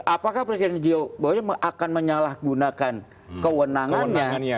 apakah presiden jokowi akan menyalahgunakan kewenangannya